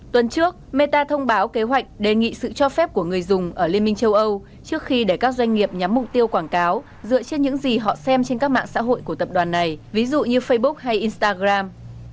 tuần trước meta thông báo kế hoạch đề nghị sự cho phép của người dùng ở liên minh châu âu trước khi để các doanh nghiệp nhắm mục tiêu quảng cáo dựa trên những gì họ xem trên các mạng xã hội của tập đoàn này ví dụ như facebook hay instagram